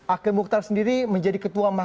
akhil mukhtar sendiri menjadi ketua